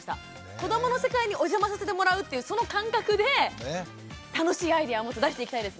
子どもの世界にお邪魔させてもらうっていうその感覚で楽しいアイデアもっと出していきたいですね。